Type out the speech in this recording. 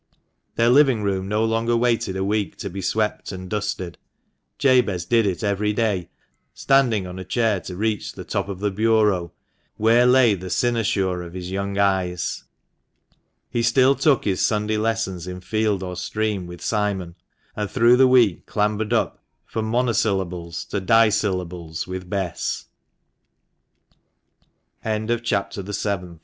Their living room no longer waited a week to be swept and dusted, Jabez did it every day, standing on a chair to reach the top of the bureau, where lay the cynosure of his young eyes. He still took his Sunday lessons in field or stream with Simon, and through the week clambered up from monosyllables to dissyllables with Bess, CHAPTER THE EIGHTH. THE BLUE COAT SC